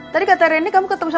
tadi kata rene kamu ke tempatnya